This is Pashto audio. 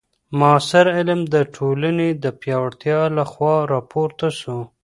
معاصر علم د ټولني د پیاوړتیا له خوا راپورته سو.